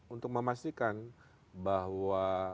untuk memastikan bahwa